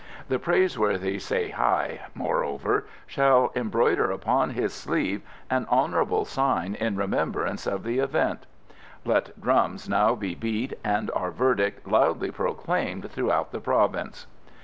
The praiseworthy Tsay hi, moreover, shall embroider upon his sleeve an honourable sign in remembrance of the event. Let drums now be beat, and our verdict loudly proclaimed throughout the province."